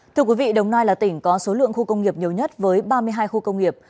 thưa quý vị đồng nai là tỉnh có số lượng khu công nghiệp nhiều nhất với ba mươi hai khu công nghiệp